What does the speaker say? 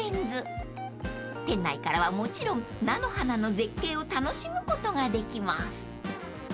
［店内からはもちろん菜の花の絶景を楽しむことができます］